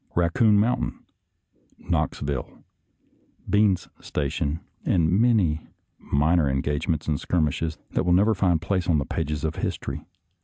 Raccoon Mountain, . Knoxville, Bean's Station, and many minor engagements and skirmishes that will never find place on the pages of history.